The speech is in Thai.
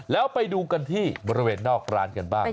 แล้วไปดูกันที่บริเวณนอกร้านกันบ้าง